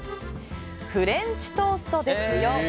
フレンチトーストですよ！